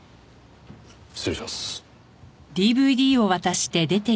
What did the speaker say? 失礼します。